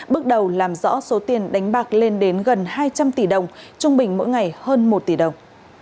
bước đầu làm rõ số tiền đánh bạc lên đến gần hai trăm linh tỷ đồng trung bình mỗi ngày hơn một tỷ đồng